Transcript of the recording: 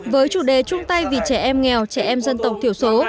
với chủ đề trung tây vì trẻ em nghèo trẻ em dân tộc thiểu số